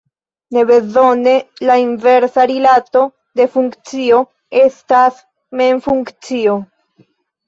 Ne bezone la inversa rilato de funkcio estas mem funkcio.